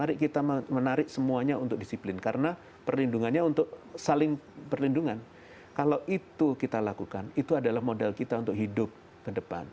ini adalah model kita untuk hidup ke depan